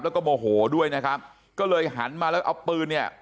แล้วก็โมโหด้วยนะครับก็เลยหันมาแล้วเอาปืนเนี่ย